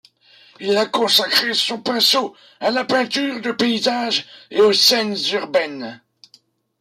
Il a consacré son pinceau à la peinture de paysage et aux scènes urbaines.